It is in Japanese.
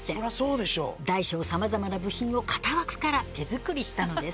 大小さまざまな部品を型枠から手作りしたのです。